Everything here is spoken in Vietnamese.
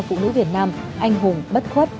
phụ nữ việt nam anh hùng bất khuất